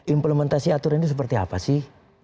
implementasi aturan itu seperti apa sih